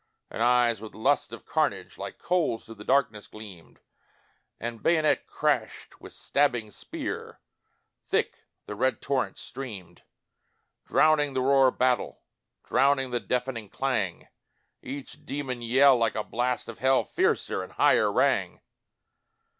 And eyes with lust of carnage, Like coals through the darkness gleamed, And bayonet crashed with stabbing spear, Thick the red torrent streamed: Drowning the roar of battle Drowning the deafening clang Each demon yell, like a blast of hell, Fiercer and higher rang.